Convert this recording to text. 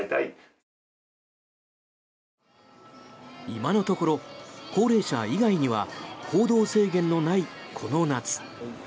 今のところ高齢者以外には行動制限のないこの夏。